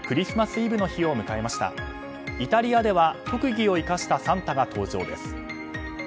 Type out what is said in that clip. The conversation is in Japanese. イタリアでは特技を生かしたサンタが登場です。